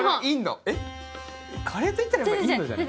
カレーといったらインドじゃないの！？